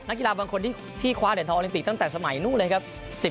กีฬาบางคนที่คว้าเหรียญทองโอลิมปิกตั้งแต่สมัยนู้นเลยครับ